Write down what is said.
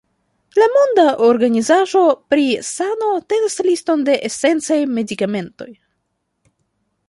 La Monda Organizaĵo pri Sano tenas liston de esencaj medikamentoj.